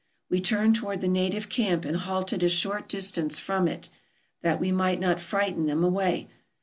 We turned toward the native camp and halted a short distance from it, that we might not frighten them away.